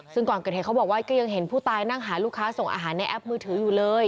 ซึ่งก่อนเกิดเหตุเขาบอกว่าก็ยังเห็นผู้ตายนั่งหาลูกค้าส่งอาหารในแอปมือถืออยู่เลย